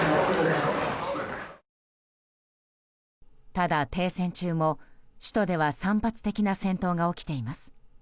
ただ、停戦中も首都では散発的な戦闘が起きています。